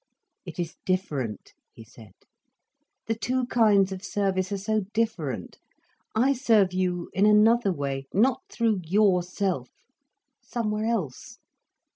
"It is different," he said. "The two kinds of service are so different. I serve you in another way—not through yourself—somewhere else.